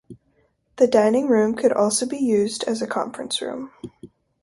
The dining room could also be used as a conference room.